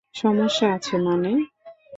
সমস্যা আছে মানে?